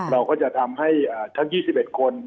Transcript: เราก็จะทำให้ทั้ง๒๑คน